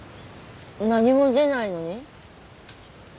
何も出ないのに？